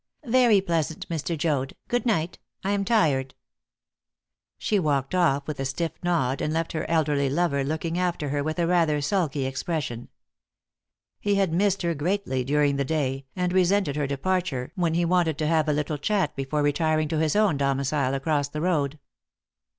"Very pleasant, Mr. Joad. Good night; I am tired." She walked off with a stiff nod, and left her elderly lover looking after her with a rather sulky expression. He had missed her greatly during the day, and resented her departure when he wanted to have a little chat before retiring to his own domicile across the road.